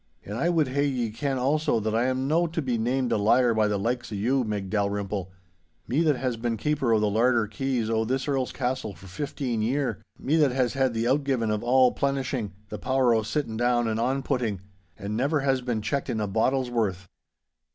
And I wad hae ye ken also that I am no to be named a liar by the likes o you, Meg Dalrymple—me that has been keeper o' the larder keys o' this Earl's castle for fifteen year, me that has had the outgiving o' all plenishing, the power o' down sitting and on putting, and never has been checked in a bodle's worth.